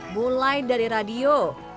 mulai dari radio